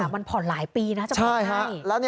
มันผ่อนหลายปีนะจะผ่อนให้